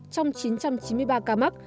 trong chín trăm chín mươi ba ca mắc